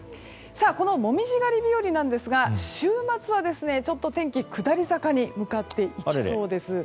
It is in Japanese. この紅葉狩り日和なんですが週末は天気が下り坂に向かっていきそうです。